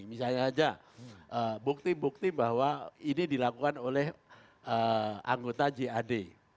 misalnya saja bukti bukti bahwa ini dilakukan oleh anggota jad